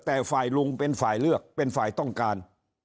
แต่ฝ่ายลุงเป็นฝ่ายเลือกเป็นฝ่ายต้องการ